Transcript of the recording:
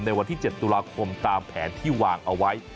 วันที่๗ตุลาคมตามแผนที่วางเอาไว้